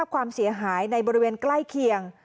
เผื่อ